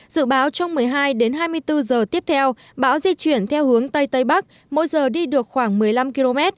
dự báo trong một mươi hai đến hai mươi bốn giờ tiếp theo bão di chuyển theo hướng tây tây bắc mỗi giờ đi được khoảng một mươi năm km